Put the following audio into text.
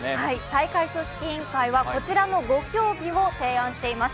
大会組織委員会はこちらの５競技を提案しています。